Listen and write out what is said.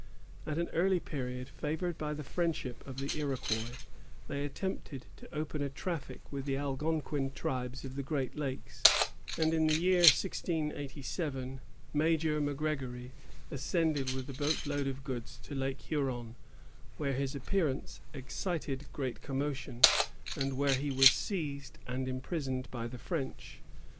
At an early period, favored by the friendship of the Iroquois, they attempted to open a traffic with the Algonquin tribes of the great lakes; and in the year 1687, Major McGregory ascended with a boat load of goods to Lake Huron, where his appearance excited great commotion, and where he was seized and imprisoned by the French.